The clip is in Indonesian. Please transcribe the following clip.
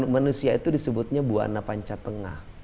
manusia itu disebutnya buana panca tengah